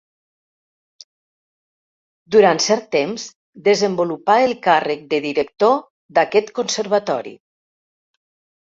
Durant cert temps desenvolupà el càrrec de director d'aquest Conservatori.